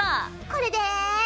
これで。